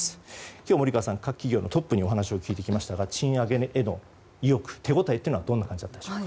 今日、森川さん各企業のトップにお話を伺ってきましたが賃上げへの意欲手応えというのはどうだったでしょうか。